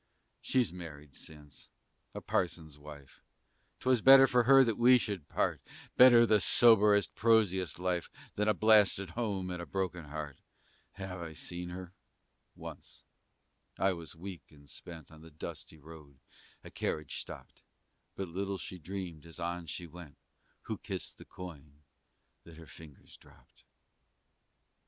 She's married since, a parson's wife: 'Twas better for her that we should part, Better the soberest, prosiest life Than a blasted home and a broken heart. I have seen her? Once: I was weak and spent On the dusty road: a carriage stopped: But little she dreamed, as on she went, Who kissed the coin that her fingers dropped!